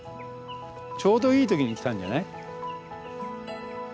ちょうどいい時に来たんじゃない？